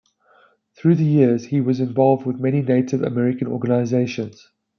Through the years, he was involved with many Native American organizations.